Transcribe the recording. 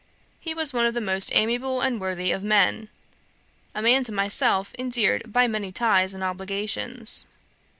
He was one of the most amiable and worthy of men, a man to myself endeared by many ties and obligations.